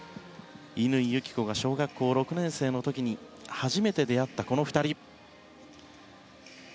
乾友紀子が小学校６年生の時に初めて出会ったこの２人。